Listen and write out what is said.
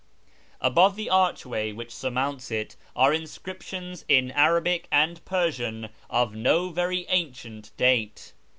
Above the archway which surmounts it are inscriptions in Arabic and Persian of no very ancient date.